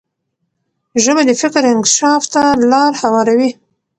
ژبه د فکر انکشاف ته لار هواروي.